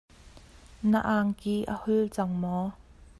Na angki a hul cang maw?